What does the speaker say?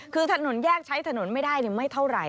คือถนนแยกใช้ถนนไม่ได้ไม่เท่าไหร่